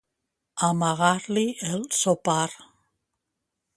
Amargar-li el sopar.